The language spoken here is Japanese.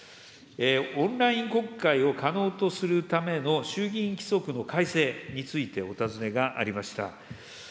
オンライン国会を可能とするための衆議院規則の改正についてお尋ねがありました。